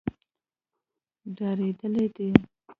ډارېدلي دي.